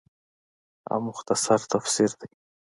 او مختصر تفسير دے